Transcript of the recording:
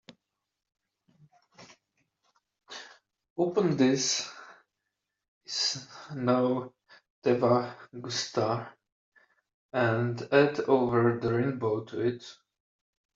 Open this is no te va gustar and add Over the rainbow to it